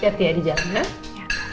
siap siap di jalan ya